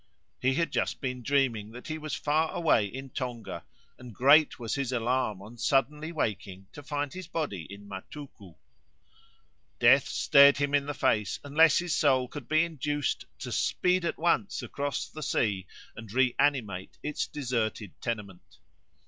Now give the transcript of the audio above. He had just been dreaming that he was far away in Tonga, and great was his alarm on suddenly wakening to find his body in Matuku. Death stared him in the face unless his soul could be induced to speed at once across the sea and reanimate its deserted tenement.